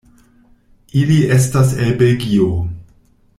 Ili estas el Belgio.